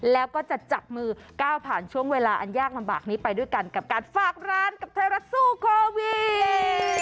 แล้วก็จะจับมือก้าวผ่านช่วงเวลาอันยากลำบากนี้ไปด้วยกันกับการฝากร้านกับไทยรัฐสู้โควิด